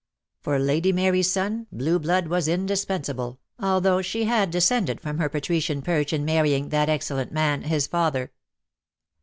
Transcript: For Lady Mary's son blue 58 DEAD LOVE HAS CHAINS. blood was indispensable, although she had descended from her patrician perch in marrying that excellent man, his father.